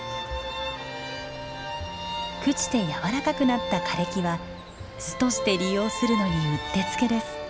朽ちて軟らかくなった枯れ木は巣として利用するのにうってつけです。